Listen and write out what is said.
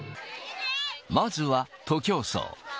まずは徒競走。